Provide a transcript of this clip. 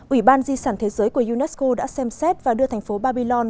ủy ban di sản thế giới của unesco đã xem xét và đưa thành phố babylon